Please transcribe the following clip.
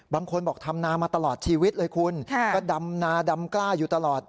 บางคนบอกทำนามาตลอดชีวิตเลยคุณก็ดำนาดำกล้าอยู่ตลอด